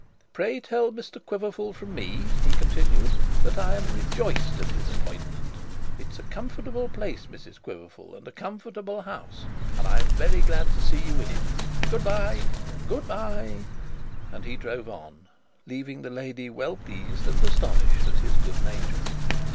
'Pray tell Mr Quiverful from me,' he continued, 'that I am rejoiced at his appointment. It is a comfortable place, Mrs Quiverful, and a comfortable house, and I am very glad to see you in it. Good bye, good bye.' And he drove on, leaving the lady well pleased and astonished at his good nature.